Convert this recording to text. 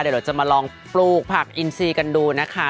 เดี๋ยวจะมาลองปลูกผักอินซีกันดูนะคะ